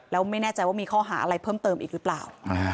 แล้วไม่แน่ใจว่ามีข้อหาอะไรเพิ่มเติมอีกหรือเปล่า